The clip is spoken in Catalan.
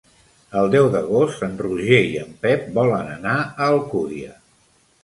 El deu d'agost en Roger i en Pep volen anar a Alcúdia.